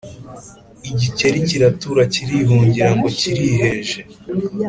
igikeri kiratura kirihungira ngo kiriheje,